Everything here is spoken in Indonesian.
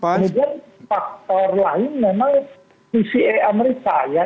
kemudian faktor lain memang pca amerika ya